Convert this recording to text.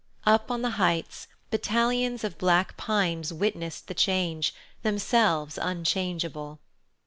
Up on the heights, battalions of black pines witnessed the change, themselves unchangeable.